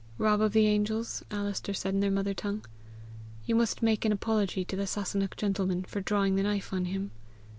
"Rob of the Angels," Alister said in their mother tongue, "you must make an apology to the Sasunnach gentleman for drawing the knife on him.